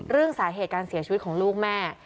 เรื่องสาเหตุการเสียชีวิตของลูกแม่